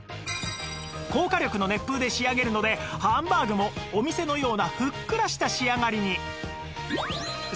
高火力の熱風で仕上げるのでハンバーグもお店のようなふっくらした仕上がりに